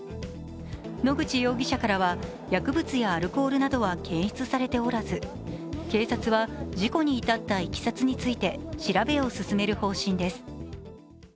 野口容疑者からは薬物やアルコールなどは検出されておらず警察は事故に至ったいきさつについて調べを進める方針です。